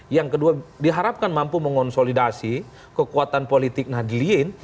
yang kedua diharapkan mampu mengonsolidasi kekuatan politik nahdliyin